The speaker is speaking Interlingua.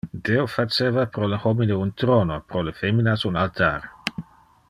Deo faceva pro le homine un throno, pro le feminas un altar.